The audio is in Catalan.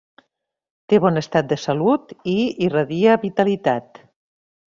Té bon estat de salut i irradia vitalitat.